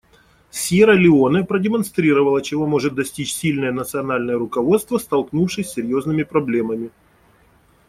Сьерра-Леоне продемонстрировала, чего может достичь сильное национальное руководство, столкнувшись с серьезными проблемами.